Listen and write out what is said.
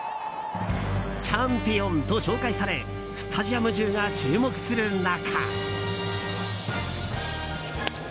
チャンピオンと紹介されスタジアム中が注目する中。